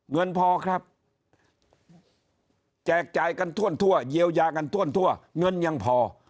เงินพอครับแจกจ่ายกันทั่วเยียวยากันทั่วเงินยังพอ